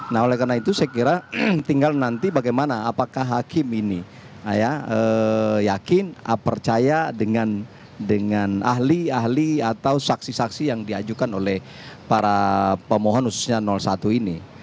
nah oleh karena itu saya kira tinggal nanti bagaimana apakah hakim ini yakin percaya dengan ahli ahli atau saksi saksi yang diajukan oleh para pemohon khususnya satu ini